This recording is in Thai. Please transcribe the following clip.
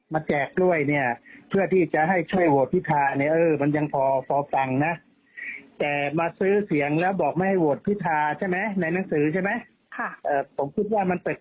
มันต้องมีคนจริงและคนพูดเท็จ